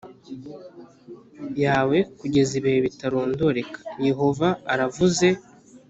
Yawe kugeza ibihe bitarondoreka yehova aravuze